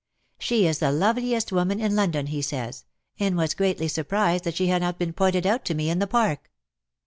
She is the loveliest woman in London, he says — and was greatly surprised that she had not been pointed out to me in the Park.